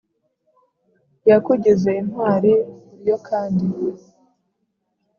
yakugize intwari uriyo kandi